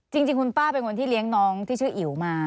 จริงคุณป้าเป็นคนที่เลี้ยงน้องที่ชื่ออิ๋วมา